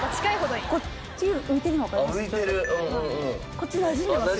こっちなじんでますよね。